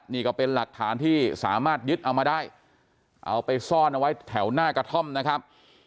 นี่ก็เป็นหลักฐานที่สามารถยึดเอามาได้เอาไปซ่อนเอาไว้แถวหน้ากระท่อมนะครับ